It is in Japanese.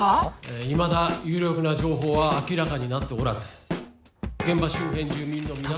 えぇいまだ有力な情報は明らかになっておらず現場周辺住民の皆様に。